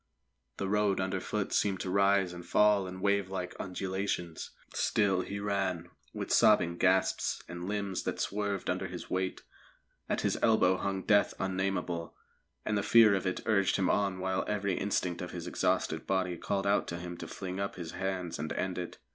The road underfoot seemed to rise and fall in wavelike undulations. Still he ran, with sobbing gasps and limbs that swerved under his weight; at his elbow hung death unnamable, and the fear of it urged him on while every instinct of his exhausted body called out to him to fling up his hands and end it.